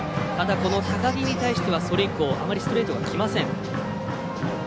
この高木に対しては、それ以降あまりストレートがきません。